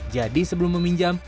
jadi sebelum meminjam